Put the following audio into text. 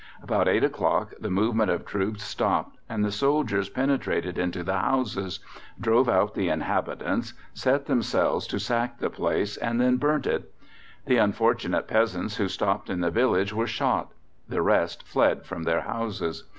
About 8 o'clock the movement of troops stopped, and the soldiers penetrated into the houses, drove out the inhabitants, set themselves to sack the place, and then burnt it. The unfortunate peasants who stopped in the village were shot; the rest fled from their houses.